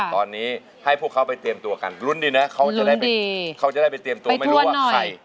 ตอนนี้ให้พวกเขาไปเตรียมตัวกันลุ้นดีนะเขาจะได้เขาจะได้ไปเตรียมตัวไม่รู้ว่าใคร